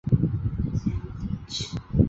丘行恭之子。